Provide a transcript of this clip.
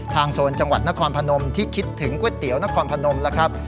โซนจังหวัดนครพนมที่คิดถึงก๋วยเตี๋ยวนครพนมแล้วครับ